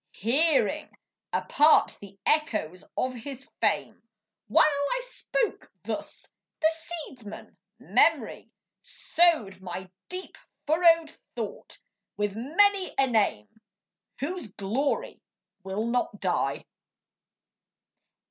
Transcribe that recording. Hearing apart the echoes of his fame. While I spoke thus, the seedsman, Memory, Sowed my deep furrowed thought with many a name Whose glory will not die.